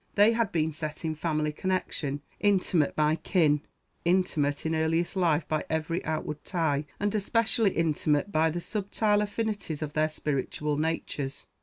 They had been set in family connection, intimate by kin, intimate in earliest life by every outward tie, and especially intimate by the subtile affinities of their spiritual natures.